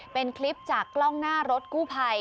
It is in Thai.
เป็นคลิปจากกล้องหน้ารถกู้ภัย